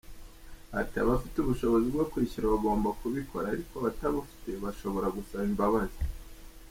Ati” Abafite ubushobozi bwo kwishyura bagomba kubikora ariko abatabufite bashobora gusaba imbabazi.